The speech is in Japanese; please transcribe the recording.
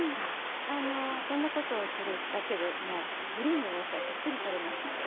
こんなことをするだけでもグリーンの野菜たっぷりとれますので。